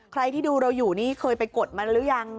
ใครที่ดูเราอยู่นี่เคยไปกดมาหรือยัง